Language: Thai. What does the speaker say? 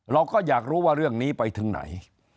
เราก็อยากรู้ว่าเรื่องนี้ไปถึงไหน